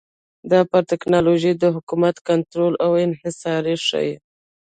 دا پر ټکنالوژۍ د حکومت کنټرول او انحصار ښيي